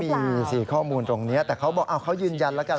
มันไม่มีข้อมูลตรงนี้แต่เขายืนยันแล้วกัน